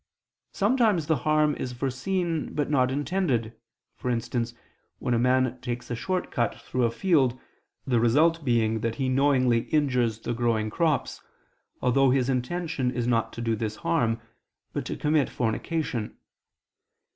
Sometimes the harm is foreseen, but not intended; for instance, when a man takes a short cut through a field, the result being that he knowingly injures the growing crops, although his intention is not to do this harm, but to commit fornication.